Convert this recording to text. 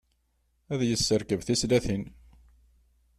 Ad yesserkeb tislatin.